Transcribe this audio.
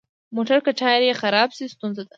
موټر که ټایر یې خراب شي، ستونزه ده.